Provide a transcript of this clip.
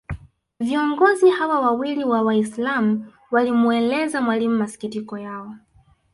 Viongozi hawa wawili wa Waislam walimueleza Mwalimu masikitiko yao